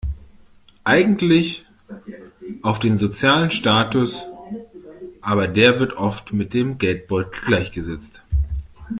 Eigentlich auf den sozialen Status, aber der wird oft mit dem Geldbeutel gleichgesetzt.